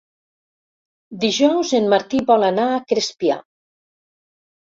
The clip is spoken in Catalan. Dijous en Martí vol anar a Crespià.